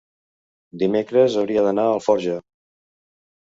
dimecres hauria d'anar a Alforja.